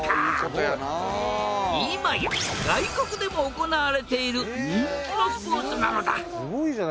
今や外国でも行われている人気のスポーツなのだ。